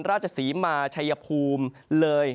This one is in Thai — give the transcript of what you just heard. ราชสีมาไชยภูมิเลย